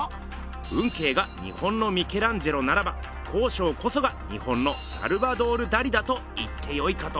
運慶が日本のミケランジェロならば康勝こそが日本のサルバドール・ダリだと言ってよいかと。